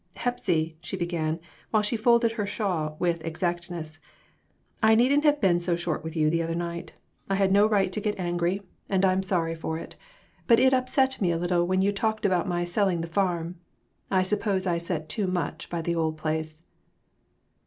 " Hepsy," she began, while she folded her shawl with exactness, "I needn't have been so short with you the other night. I had no right 1 1 8 " RECONCILIATIONS. to get angry, and I'm sorry for it. But it upset me a little when you talked about my selling the farm. I s'pose I set too much by the old place."